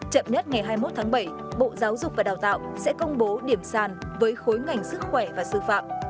chậm nhất ngày hai mươi một tháng bảy bộ giáo dục và đào tạo sẽ công bố điểm sàn với khối ngành sức khỏe và sư phạm